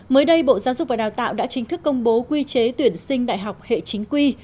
mới đây bộ giáo dục và đào tạo đã chính thức công bố quy chế tuyển sinh đại học hệ chính quy